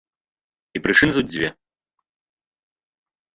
І прычыны тут дзве.